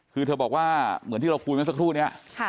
คือเธอบอกว่าเหมือนที่เราคุยเมื่อสักครู่นี้